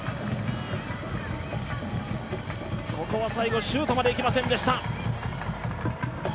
ここは最後シュートまでいけませんでした。